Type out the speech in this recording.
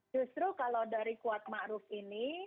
justru kalau dari kuat maruf ini